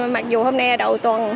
mặc dù hôm nay là đầu tuần